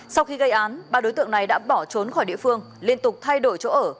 sau khi gây án ba đối tượng này đã bỏ trốn khỏi địa phương liên tục thay đổi chỗ ở